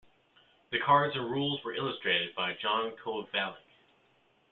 The cards and rules were illustrated by John Kovalic.